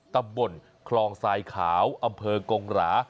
ตำบลคลองทรายขาวอำเภอกงหรา